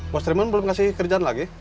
mas trimen belum kasih kerjaan lagi